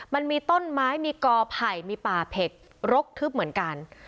มันมีต้นไม้มีกอไผ่มีป่าเผ็กรกทึบเหมือนกัน